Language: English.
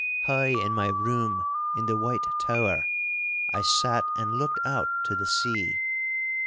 High in my room in the White Tower I sat and looked out to the sea.